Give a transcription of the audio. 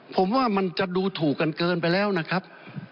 ผมว่ามันจะดูถูกกันเกินไปแล้วนะครับ